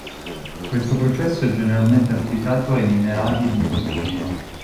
Questo processo è generalmente applicato ai minerali di solfuro.